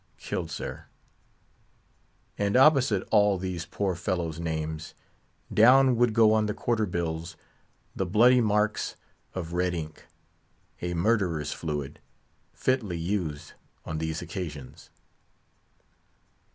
"Killed, sir." And opposite all these poor fellows' names, down would go on the quarter bills the bloody marks of red ink—a murderer's fluid, fitly used on these occasions.